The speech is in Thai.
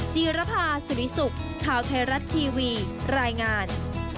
จีรภาสุริสุขข่าวไทยรัฐทีวีรายงาน